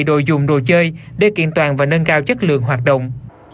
đồ dùng đồ chơi để kiện toàn và nâng cao chất lượng hoạt động